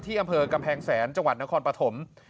อำเภอกำแพงแสนจังหวัดนครปฐม